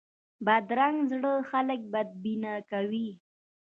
بدرنګه زړه خلک بدبینه کوي